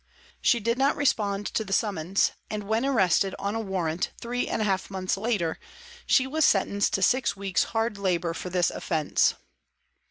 She did not respond to the summons, and when arrested on a warrant, three and a half months later, she was sentenced to six weeks' hard labour for this offence.